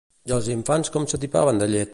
I els infants com s'atipaven de llet?